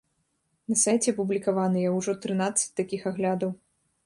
На сайце апублікаваныя ўжо трынаццаць такіх аглядаў.